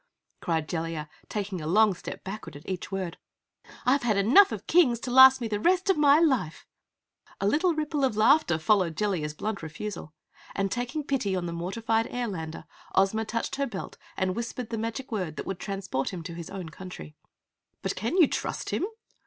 cried Jellia, taking a long step backward at each word. "I've had enough of Kings to last me the rest of my life!" A little ripple of laughter followed Jellia's blunt refusal, and taking pity on the mortified Airlander, Ozma touched her belt and whispered the magic word that would transport him to his own country. "But can you trust him?"